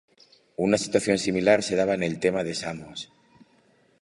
Una situación similar se daba en el tema de Samos.